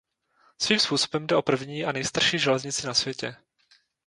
Svým způsobem jde o první a nejstarší železnici na světě.